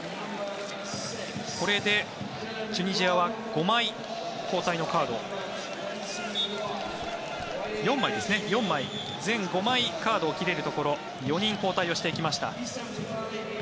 これでチュニジアは全５枚カードを切れるところ４人交代をしていきました。